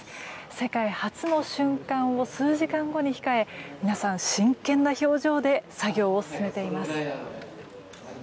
世界初の瞬間を数時間後に控え皆さん、真剣な表情で作業を進めています。